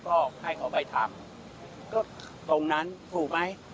ก็ให้เขาไปทำก็ตรงนั้นถูกไหม